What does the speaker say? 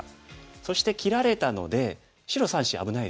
そして切られたので白３子危ないですよね。